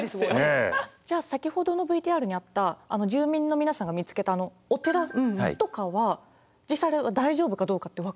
じゃあ先ほどのＶＴＲにあった住民の皆さんが見つけたあのお寺とかは実際あれ大丈夫かどうかって分かるんですか？